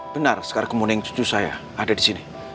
benar sekar kemuning cucu saya ada disini